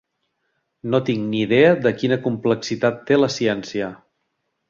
No tinc ni idea de quina complexitat té la ciència.